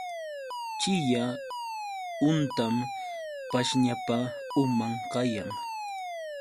Chiya huntam pashñapa uman kayan.